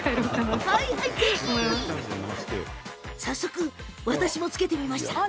早速、私もつけてみました。